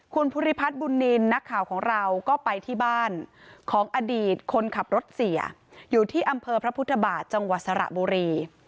คุณภูริพัฒน์บุญนินนักข่าวของเราก็ไปที่บ้านของอดีตคนขับรถเสียอยู่ที่อำเภอพระพุทธบาทจังหวัดสระบุรี